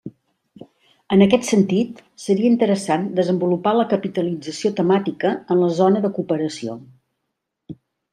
En aquest sentit, seria interessant desenvolupar la capitalització temàtica en la zona de cooperació.